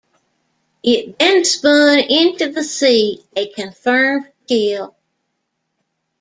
It then spun into the sea, a confirmed kill.